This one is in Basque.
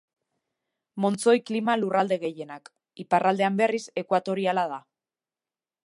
Montzoi klima lurralde gehienak; iparraldean, berriz, ekuatoriala da.